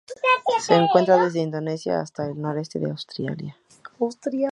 Se encuentran desde Indonesia hasta el noroeste de Australia.